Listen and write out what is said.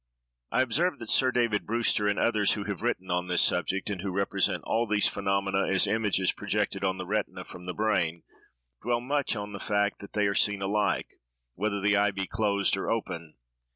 I observe that Sir David Brewster and others, who have written on this subject, and who represent all these phenomena as images projected on the retina from the brain, dwell much on the fact that they are seen alike, whether the eye be closed or open.